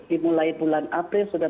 dimulai bulan april sudah